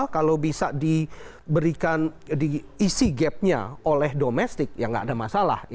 kalau bisa diberikan diisi gapnya oleh domestik ya nggak ada masalah